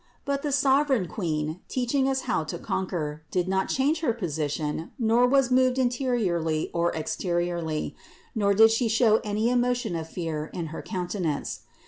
But the sovereign Queen, teaching us how to conquer, did not change her position nor was moved interiorly or exteriorly, nor did She show any emotion of fear in her countenance.